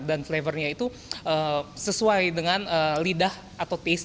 dan flavor nya itu sesuai dengan lidah atau taste